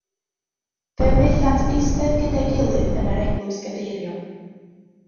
Fe wnaethant eistedd gyda'i gilydd yn yr eglwys gadeiriol.